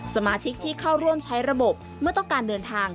สมาชิกที่เข้าร่วมใช้ระบบเมื่อต้องการเดินทาง